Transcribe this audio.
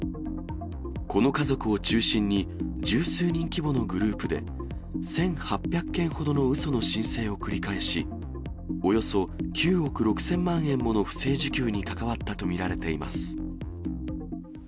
この家族を中心に、十数人規模のグループで、１８００件ほどのうその申請を繰り返し、およそ９億６０００万円もの不正受給に関わったと見られています。